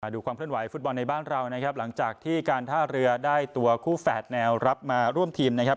ดูความเคลื่อนไหวฟุตบอลในบ้านเรานะครับหลังจากที่การท่าเรือได้ตัวคู่แฝดแนวรับมาร่วมทีมนะครับ